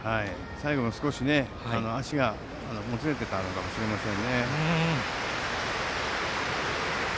最後、少し足がもつれていたかもしれません。